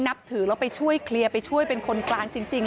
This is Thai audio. นับถือแล้วไปช่วยเคลียร์ไปช่วยเป็นคนกลางจริง